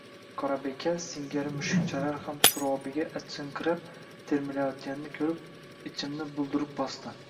Qorabeka singari mushukchalar ham surobimga achinqirab termilayotganini ko‘rib, ichimni bulduruq bosdi